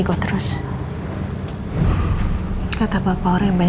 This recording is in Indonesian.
aku gak bisa ketemu mama lagi